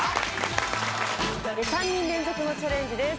３人連続のチャレンジです。